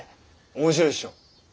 面白いっしょ。